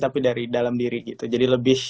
tapi dari dalam diri gitu jadi lebih